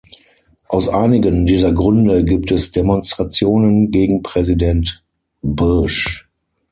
Aus einigen dieser Gründe gibt es Demonstrationen gegen Präsident Bush.